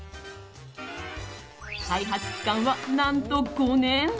開発期間は、何と５年。